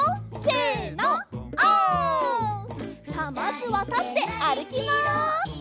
さあまずはたってあるきます！